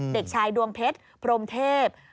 เด็กชายดวงเพชรพรมเทพ